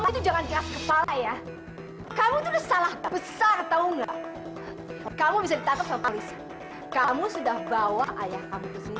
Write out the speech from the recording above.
jangan bawa ayah kamu